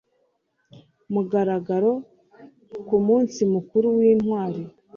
mugaragaro ku munsi mukuru w intwari